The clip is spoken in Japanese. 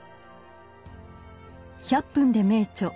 「１００分ｄｅ名著」